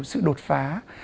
sự đột phá